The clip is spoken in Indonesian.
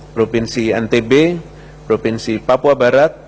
provinsi ntb provinsi papua barat